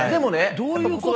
どういうこと？